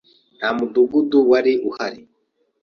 Nta mudugudu wari uhari.